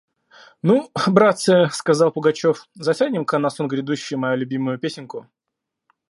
«Ну, братцы, – сказал Пугачев, – затянем-ка на сон грядущий мою любимую песенку.